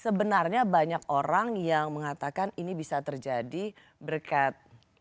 sebenarnya banyak orang yang mengatakan ini bisa terjadi berkat